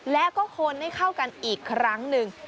และก็คนให้เข้ากันอีกครั้งหนึ่ง